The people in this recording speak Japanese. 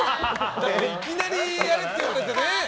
いきなりやれって言われてね。